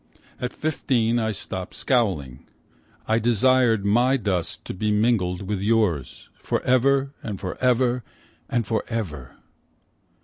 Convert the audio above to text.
At fifteen I stopped scowling, I desired my dust to be mingled with yours Forever and forever, and forever.